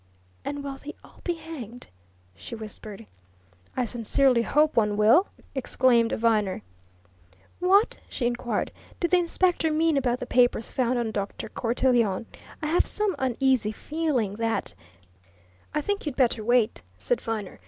"And will they all be hanged?" she whispered. "I sincerely hope one will!" exclaimed Viner. "What," she inquired, "did the inspector mean about the papers found on Dr. Cortelyon? I have some uneasy feeling that " "I think you 'd better wait," said Viner.